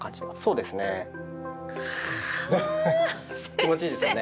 気持ちいいですよね？